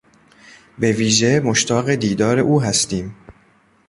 به ویژه مشتاق دیدار او هستیم.